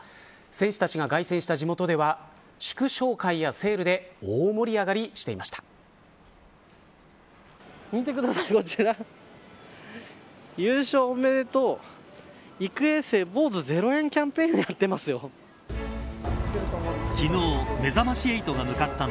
選手たちが、がい旋した地元では祝勝会やセールで大盛り上がりしていました。